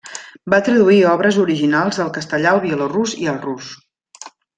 Va traduir obres originals del castellà al bielorús i al rus.